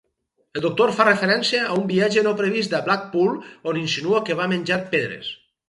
El doctor fa referència a un viatge no previst a Blackpool on insinua que va menjar pedres.